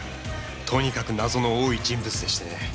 とにかく謎の多い人物でしてね。